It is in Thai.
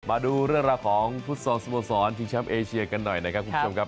มาดูเรื่องราวของพุทธศร้อนสมศรชิงช้ำเอเชียร์กันหน่อยนะครับคุณผู้ชมครับ